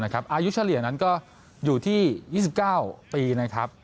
อายุเฉลี่ยนั้นก็อยู่ที่๒๙ปี